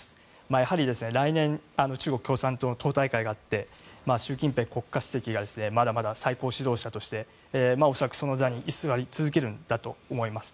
やはり、来年中国共産党の党大会があって習近平国家主席がまだまだ最高指導者として恐らく、その座に居座り続けるんだと思います。